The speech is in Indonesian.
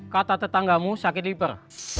kata tetanggamu sakit diper